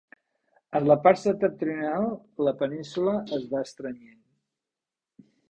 En la part septentrional la península es va estrenyent.